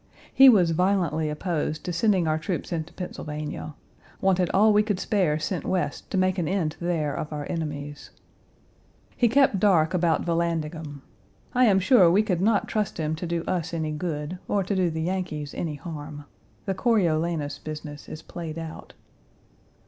He was violently opposed to sending our troops into Pennsylvania: wanted all we could spare sent West to make an end there of our enemies. He kept dark about Vallandigham.1 I am sure we could not trust him to do us any good, or to do the Yankees any harm. The Coriolanus business is played out.